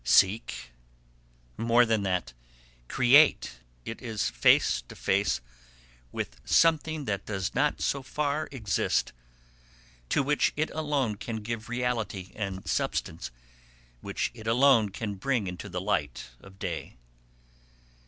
Seek? More than that: create. It is face to face with something which does not so far exist, to which it alone can give reality and substance, which it alone can bring into the light of day.